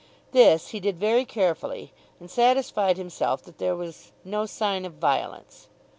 This he did very carefully and satisfied himself that there was "no sign of violence."